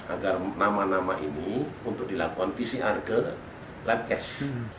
agar nama nama ini untuk dilakukan pcr ke lab cash